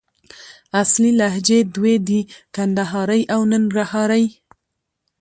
اصلي لهجې دوې دي: کندهارۍ او ننګرهارۍ